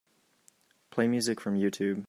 Play music from Youtube.